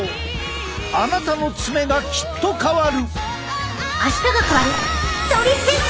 あなたの爪がきっと変わる！